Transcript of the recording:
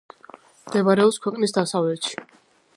მდებარეობს ქვეყნის დასავლეთში.